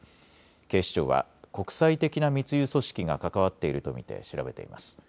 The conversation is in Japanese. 警視庁は国際的な密輸組織が関わっていると見て調べています。